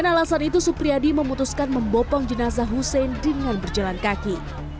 dengan alasan itu supriyadi memutuskan membopong jenazah hussein dengan berjalan kaki